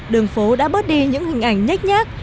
đường phố đã bớt đi những hình ảnh nhách nhác